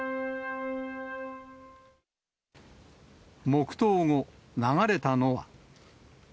黙とう後、流れたのは。